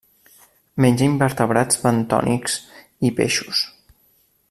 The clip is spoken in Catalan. Menja invertebrats bentònics i peixos.